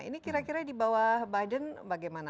ini kira kira di bawah biden bagaimana